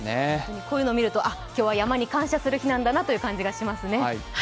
こういうの見ると今日は山に感謝する日なんだなという気がします。